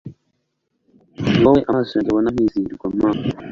ni wowe amaso yanjye abona nkizihirwa ma